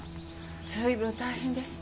随分大変ですね。